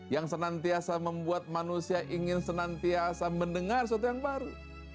yang senantiasa membuat manusia ingin senantiasa mendengar sesuatu yang baru